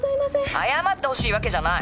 謝ってほしいわけじゃない！